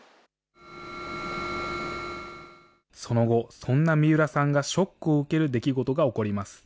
その後、そんな三浦さんがショックを受ける出来事が起こります。